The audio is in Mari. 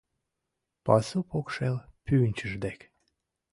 Пасу покшел пӱнчыж дек